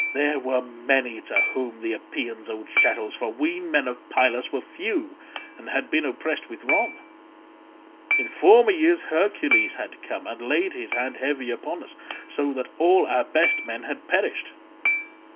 There were many to whom the Epeans owed chattels, for we men of Pylus were few and had been oppressed with wrong; in former years Hercules had come, and had laid his hand heavy upon us, so that all our best men had perished.